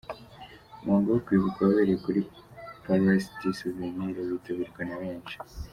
Umuhango wo kwibuka wabereye kuri Place du souvenir, witabirwa na benshi.